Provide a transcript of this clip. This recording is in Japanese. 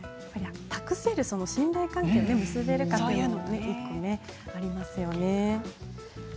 託せる信頼関係を結べるかどうかというのもありますよね。